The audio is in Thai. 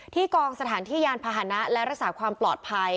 กองสถานที่ยานพาหนะและรักษาความปลอดภัย